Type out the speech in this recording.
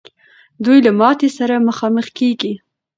دوی له ماتي سره مخامخ کېږي.